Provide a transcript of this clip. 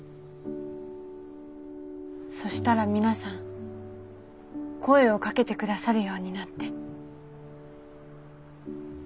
そしたら皆さん声をかけて下さるようになって。